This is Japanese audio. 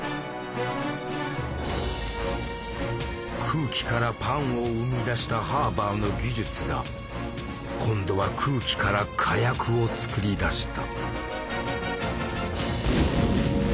空気からパンを生み出したハーバーの技術が今度は空気から火薬を作り出した。